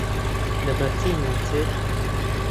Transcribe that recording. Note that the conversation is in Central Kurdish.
لەبەرچی ناچیت؟